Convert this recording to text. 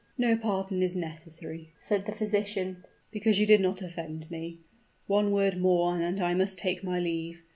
"No pardon is necessary," said the physician; "because you did not offend me. One word more and I must take my leave.